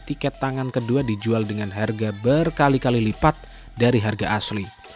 tiket tangan kedua dijual dengan harga berkali kali lipat dari harga asli